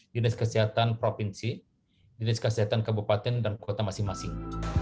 dinas kesehatan provinsi dinas kesehatan kabupaten dan kota masing masing